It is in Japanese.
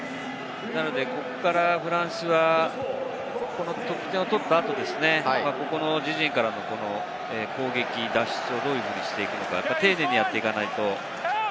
ここからフランスは得点を取った後ですね、自陣からの攻撃、奪取をどうしていくのか、丁寧にやっていかないと。